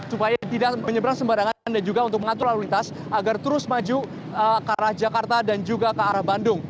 supaya tidak menyeberang sembarangan dan juga untuk mengatur lalu lintas agar terus maju ke arah jakarta dan juga ke arah bandung